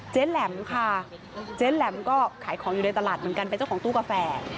แหลมค่ะเจ๊แหลมก็ขายของอยู่ในตลาดเหมือนกันเป็นเจ้าของตู้กาแฟ